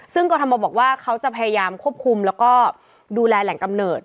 ซึ่งกรทมบอกว่าเขาจะพยายามควบคุมแล้วก็ดูแลแหล่งกำเนิด